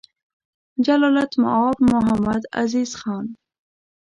جلالتمآب محمدعزیز خان: